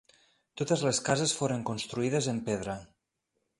Totes les cases foren construïdes en pedra.